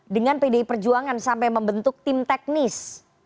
dengan pdi perjuangan sampai membentuk tim teknis